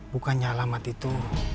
bukannya alamat itu